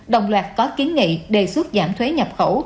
đồng loạt có kiến nghị đề xuất giảm thuế nhập khẩu